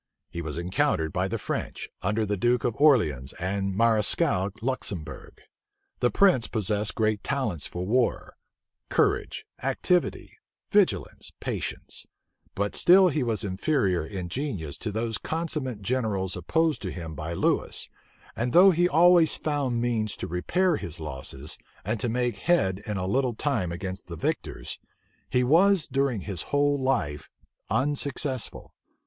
He was encountered by the French, under the duke of Orleans and Mareschal Luxembourg. The prince possessed great talents for war; courage, activity, vigilance, patience; but still he was inferior in genius to those consummate generals opposed to him by Lewis and though he always found means to repair his losses, and to make head in a little time against the victors, he was during his whole life, unsuccessful.